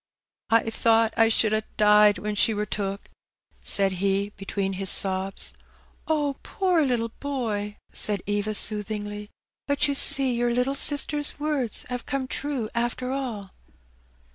" I thought I should ha' died when she were took," said he, between his sobs. " Poor little boy !'^ said Eva, soothingly ;" but you see your little sister's words have come true, after all."